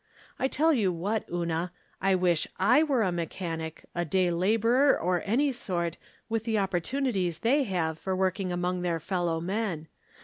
I tell you what, Una, I wish / were a mechanic, a day laborer, or any sort, with the opportunities they have for working among their fellow men.